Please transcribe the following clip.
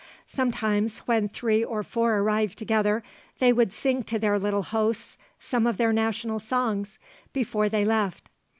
Sometimes, when three or four arrived together, they would sing to their little hosts some of their national songs before they left.